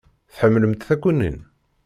Tḥemmlemt takunin?